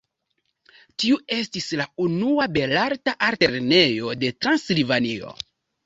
Tiu estis la unua belarta altlernejo de Transilvanio.